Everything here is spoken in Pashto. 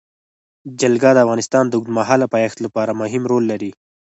جلګه د افغانستان د اوږدمهاله پایښت لپاره مهم رول لري.